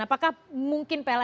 apakah mungkin pln menaikkan